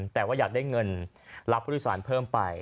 แต่ว่าอยากได้เงินรับผู้โดยสารเพิ่มไป